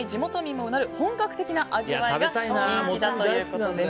もうなる本格的な味わいが人気だということです。